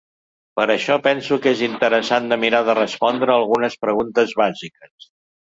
Per això penso que és interessant de mirar de respondre a algunes preguntes bàsiques.